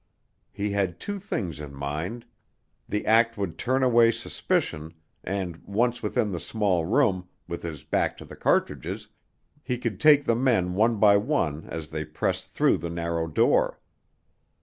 He had two things in mind; the act would turn away suspicion, and once within the small room, with his back to the cartridges, he could take the men one by one as they pressed through the narrow door.